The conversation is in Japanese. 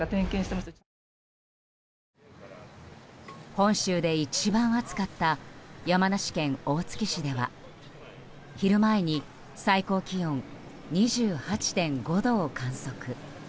本州で一番暑かった山梨県大月市では昼前に最高気温２８．５度を観測。